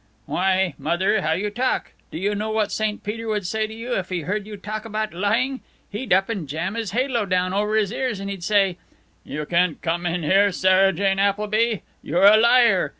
"Why, Mother, how you talk! Do you know what St. Peter would say to you if he heard you talk about lying? He'd up and jam his halo down over his ears and he'd say, 'You can't come in here, Sarah Jane Appleby. You're a liar.